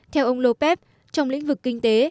theo ông lopez trong lĩnh vực kinh tế